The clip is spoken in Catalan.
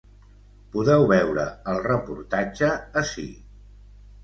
Podeu veure el reportatge ací.